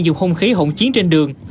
dùng hung khí hỗn chiến trên đường